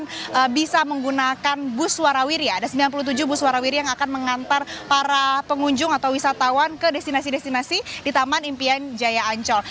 yang bisa menggunakan bus warawiria ada sembilan puluh tujuh bus warawiri yang akan mengantar para pengunjung atau wisatawan ke destinasi destinasi di taman impian jaya ancol